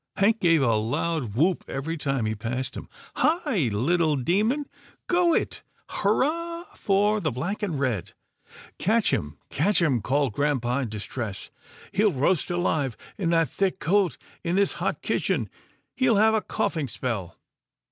Hank gave a loud whoop every time he passed him, " Hi ! little demon, go it — hurrah for the black and red !"" Catch him, catch him," called grampa in dis tress, " he'll roast alive in that thick coat in this hot kitchen — he'll have a coughing spell."